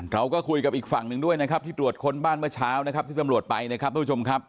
เราก็คุยกับอีกฝั่งหนึ่งด้วยนะครับที่ตรวจค้นบ้านเมื่อเช้านะครับที่ตำรวจไปนะครับทุกผู้ชมครับ